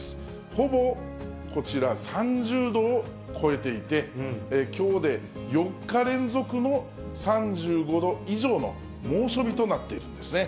ほぼこちら、３０度を超えていて、きょうで４日連続の３５度以上の猛暑日となっているんですね。